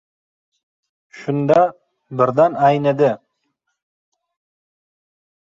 Shunda, birdan aynidi.